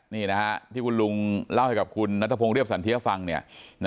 นี่นะฮะที่คุณลุงเล่าให้กับคุณนัทพงศ์เรียบสันเทียฟังเนี่ย